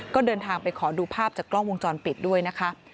ก็เดินทางไปขอดูภาพจากกล้องวงจรปิดด้วยนะคะ